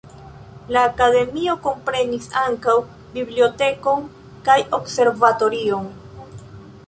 La akademio komprenis ankaŭ bibliotekon kaj observatorion.